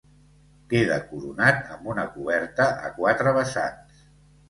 Queda coronat amb una coberta a quatre vessants.